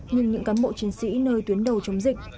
nhưng những cán bộ chiến sĩ nơi tuyến đầu chống dịch